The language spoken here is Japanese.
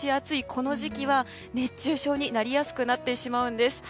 この時期は熱中症になりやすくなってしまうんです。